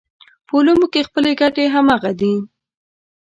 په علومو کې خپلې ګټې همغه دي.